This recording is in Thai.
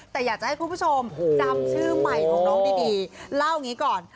แต่อยากจะให้คุณผู้ชมจำชื่อใหม่ของน้องดีเล่าอย่างนี้ก่อน